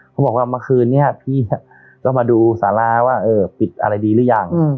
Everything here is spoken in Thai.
เขาบอกว่าเมื่อคืนนี้พี่ก็มาดูสาราว่าปิดอะไรดีหรือยัง